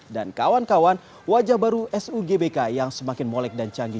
dan kawan kawan wajah baru sugbk yang semakin molek dan canggih